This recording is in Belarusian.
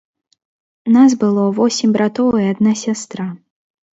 Нас было восем братоў і адна сястра.